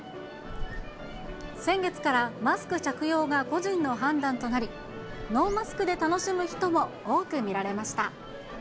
先月からマスク着用が個人の判断となり、ノーマスクで楽しむ人も多く見られました。